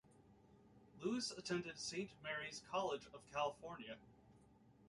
Lewis attended Saint Mary's College of California.